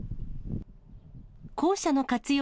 校舎の活用